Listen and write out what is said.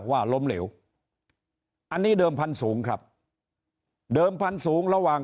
ว่าล้มเหลวอันนี้เดิมพันธุ์สูงครับเดิมพันธุ์สูงระหว่าง